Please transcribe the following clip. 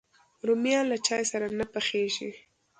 رومیان له چای سره نه پخېږي